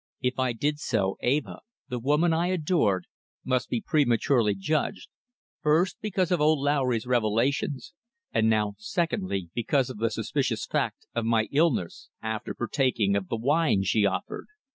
If I did so, Eva the woman I adored must be prematurely judged, first because of old Lowry's revelations, and now secondly because of the suspicious fact of my illness after partaking of the wine she offered.